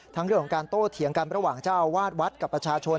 เรื่องของการโต้เถียงกันระหว่างเจ้าอาวาสวัดกับประชาชน